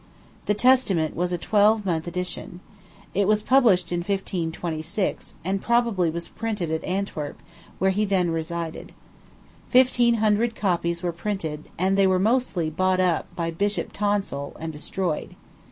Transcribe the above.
The Testament was a 12mo. edition. It was published in 1526, and probably was printed at Antwerp, where he then resided. Fifteen hundred copies were printed, and they were mostly bought up by Bishop Tonstall, and destroyed.